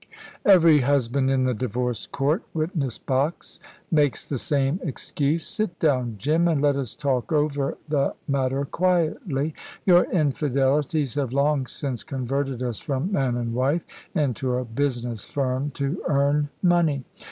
"Every husband in the divorce court witness box makes the same excuse. Sit down, Jim, and let us talk over the matter quietly. Your infidelities have long since converted us from man and wife into a business firm to earn money."